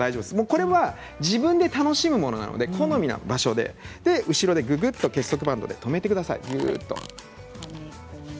これは自分で楽しむものなので好みの場所で後ろでぐぐっと結束バンドで留めてください。